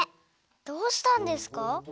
どうしたんですか？